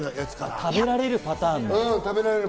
食べられるパターン。